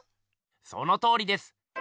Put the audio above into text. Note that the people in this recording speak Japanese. そのとおりです！